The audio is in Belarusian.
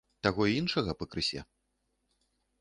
Таго й іншага пакрысе?